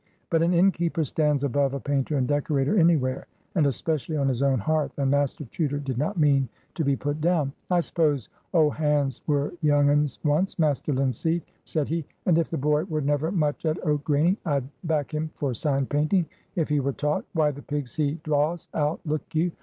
But an innkeeper stands above a painter and decorator anywhere, and especially on his own hearth, and Master Chuter did not mean to be put down. "I suppose old hands were young uns once, Master Linseed," said he; "and if the boy were never much at oak graining, I'd back him for sign painting, if he were taught. Why, the pigs he draas out, look you.